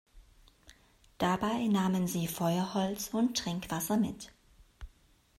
Dabei nahmen sie Feuerholz und Trinkwasser mit.